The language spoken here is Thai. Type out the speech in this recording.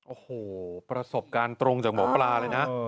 โอ้โหประสบการณ์ตรงจากหมอปลาเลยนะ